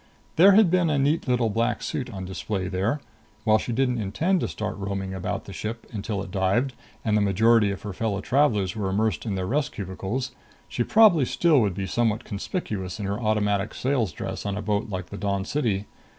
There had been a neat little black suit on display there. While she didn't intend to start roaming about the ship until it dived and the majority of her fellow travelers were immersed in their rest cubicles, she probably still would be somewhat conspicuous in her Automatic Sales dress on a boat like the Dawn City.